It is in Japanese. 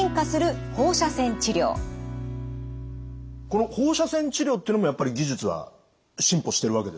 この放射線治療っていうのもやっぱり技術は進歩してるわけですか？